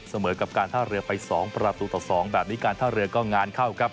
เสมอกับการท่าเรือไป๒ประตูต่อ๒แบบนี้การท่าเรือก็งานเข้าครับ